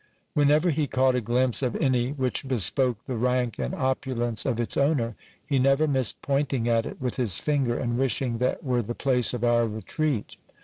Whenever he caught a glimpse of any which bespoke the rank and opulence of its owner, he never missed pointing at it with his finger, and wishing that were the place of our retreat.